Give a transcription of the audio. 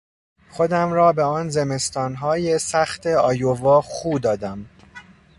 خودم را به آن زمستانهای سخت آیوا خو دادم.